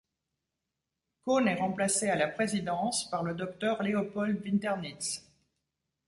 Kohn est remplacé à la présidence par le Dr Leopold Winternitz.